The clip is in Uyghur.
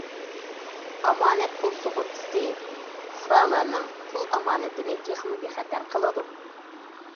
ئامانەت پۇل سۇغۇرتىسى- پۇقرالارنىڭ پۇل ئامانىتىنى تېخىمۇ بىخەتەر قىلىدۇ.